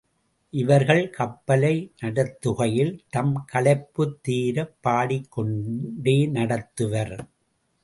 இவர்கள் கப்பலை நடத்துகையில் தம் களைப்புத் தீரப் பாடிக் கொண்டே நடத்துவர்.